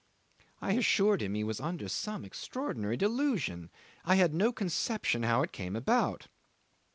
..." 'I assured him he was under some extraordinary delusion. I had no conception how it came about.